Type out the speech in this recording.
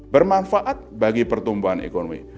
bermanfaat bagi pertumbuhan ekonomi